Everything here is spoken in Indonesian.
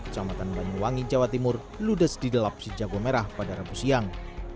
jamatan banyuwangi jawa timur ludes di delap si jago merah pada rabu siang